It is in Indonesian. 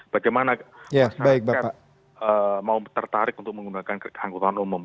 bagaimana masyarakat mau tertarik untuk menggunakan angkutan umum